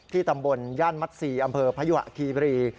ตำบลย่านมัด๔อำเภอพยุหะคีบรี